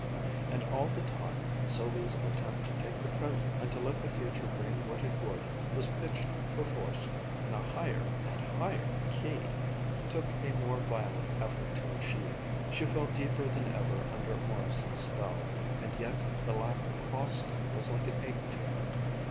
and all the time Sylvia's attempt to take the present and to let the future bring what it would, was pitched perforce in a higher and higher key, took a more violent effort to achieve. She fell deeper than ever under Morrison's spell, and yet the lack of Austin was like an ache to her.